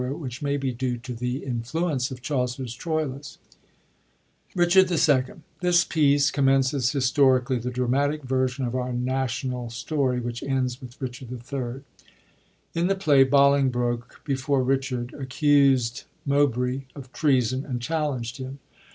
which may be due to the influence of Chaucer's TroUus, RiCHABD II. — ^This piece commences historically the dramatic version of our national story which ends with Richard HI, In the play, Bolingbroke, before Richard, accused Mowbray of treason and challenged him.